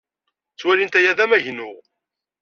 Ttwalint aya d amagnu.